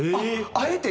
あえて？